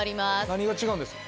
・何が違うんですか？